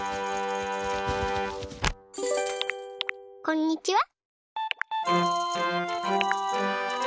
こんにちは。